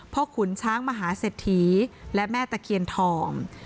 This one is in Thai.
พ่อขุนช้างมหาเสถีย์และแม่ตะเคียนถอม